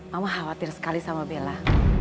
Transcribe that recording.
mama khawatir sekali sama bella